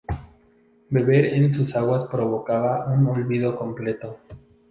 Beber de sus aguas provocaba un olvido completo.